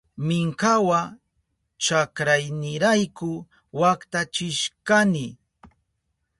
Minkawa chakraynirayku waktachishkani.